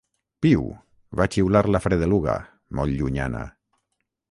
"Piu," va xiular la fredeluga, molt llunyana.